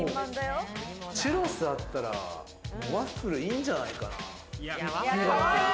チュロスあったらワッフルいいんじゃないかな？